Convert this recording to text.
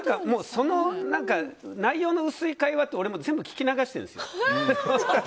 その内容が薄い会話って俺、全部聞き流しているんですよ。